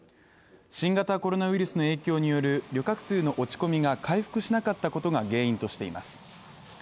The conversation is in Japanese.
新型コロナウイルスの影響による旅客数の落ち込みが回復しなかったことが原因としています。